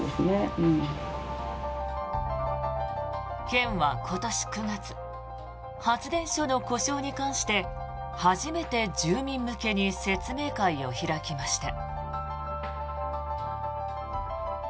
県は今年９月発電所の故障に関して初めて住民向けに説明会を開きました。